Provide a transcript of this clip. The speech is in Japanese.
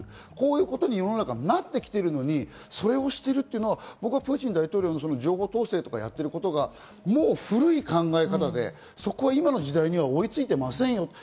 こういうことに世の中がなってきてるのにそれをしてるっていうのはプーチン大統領の情報統制とかやってることは古い考え方で今の時代には追いついてませんよ。